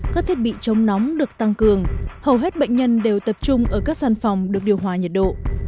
các thiết bị chống nóng được tăng cường hầu hết bệnh nhân đều tập trung ở các sàn phòng được điều hòa nhiệt độ